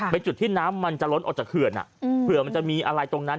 จุดที่น้ำมันจะล้นออกจากเขื่อนเผื่อมันจะมีอะไรตรงนั้น